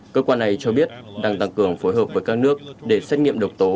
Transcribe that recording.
cơ quan này cho biết đang tăng cường phối hợp với các nước để xét nghiệm độc tố